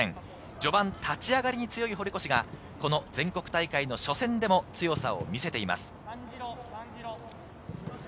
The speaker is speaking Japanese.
序盤、立ち上がりに強い堀越がこの全国大会の初戦でも強さを見せています。